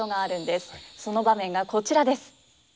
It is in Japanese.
その場面がこちらです。